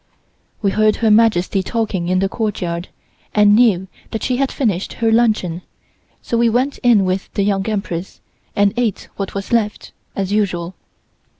We heard Her Majesty talking in the courtyard, and knew that she had finished her luncheon, so we went in with the Young Empress, and ate what was left, as usual.